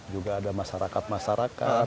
juga ada masyarakat masyarakat